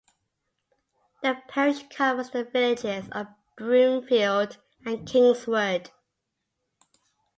The parish covers the villages of Broomfield and Kingswood.